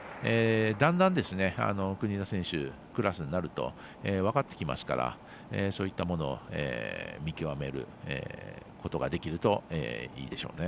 だんだん国枝選手クラスになると分かってきますからそういったものを見極めることができるといいでしょうね。